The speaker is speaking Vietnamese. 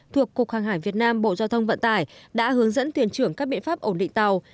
thuộc cục hàng hải việt nam bộ giao thông vận tải đã hướng dẫn thuyền trưởng các biện pháp ổn định tàu